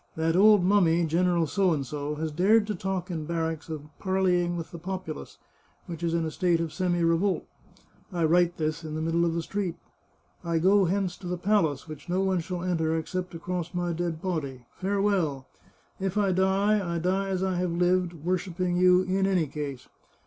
That old mummy. General P , has dared to talk in barracks of parleying with the populace, which is in a state of semi revolt. I write this in the middle of the street. I go hence to the palace, which no one shall enter except across my dead body. Farewell ! If I die, I die as I have lived, worshipping you in any case.